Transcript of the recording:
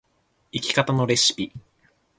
生き方のレシピ